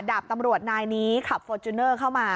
ดาบตำรวจนายนี้ขับฟอร์จูเนอร์เข้ามา